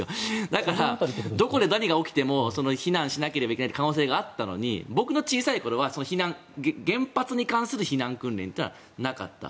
だから、どこで何が起きても避難しなきゃいけない可能性があったのに僕の小さいころは原発に関する避難訓練というのはなかった。